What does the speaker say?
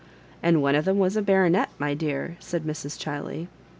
" And one of them was a baronet, my dear," said Mrs. Chiley.